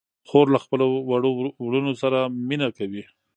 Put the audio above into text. خور له خپلو وړو وروڼو سره مینه کوي.